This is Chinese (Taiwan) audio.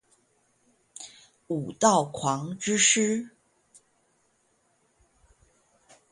武道狂之詩